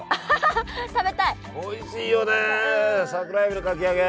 おいしいよね桜えびのかき揚げ。